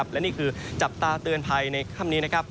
และนี่คือจับตาเตือนภัยในค่ำนี้นะครับ